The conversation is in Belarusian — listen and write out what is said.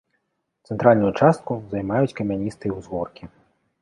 Цэнтральную частку займаюць камяністыя ўзгоркі.